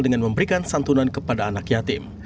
dengan memberikan santunan kepada anak yatim